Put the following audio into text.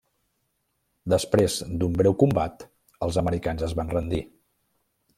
Després d'un breu combat els americans es van rendir.